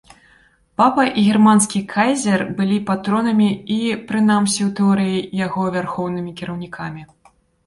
Папа і германскі кайзер былі патронамі і, прынамсі ў тэорыі, яго вярхоўнымі кіраўнікамі.